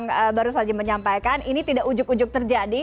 saya harus saja menyampaikan ini tidak ujug ujug terjadi